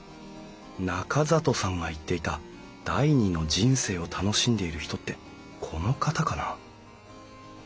中里さんが言っていた第２の人生を楽しんでいる人ってこの方かな？